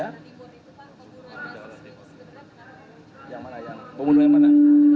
kasus pembunuhan yang tidak ditemukan di bawah sana